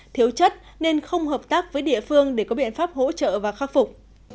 thiếu chất nên không hợp tác với địa phương để có biện pháp hỗ trợ và khắc phục